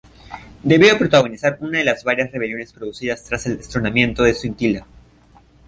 Debió de protagonizar una de las varias rebeliones producidas tras el destronamiento de Suintila.